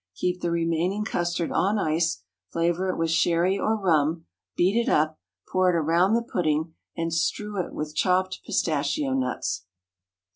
Keep the remaining custard on ice, flavor it with sherry or rum, beat it up, pour it around the pudding, and strew it with chopped pistachio nuts.